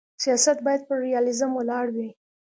سیاست باید پر ریالیزم ولاړ وي.